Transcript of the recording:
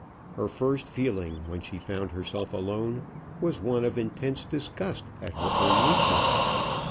Her first feeling, when she found herself alone, was one of intense disgust at her own weakness.